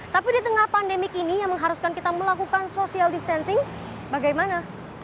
tapi di tengah pandemik ini yang mengharuskan kita melakukan social distancing bagaimana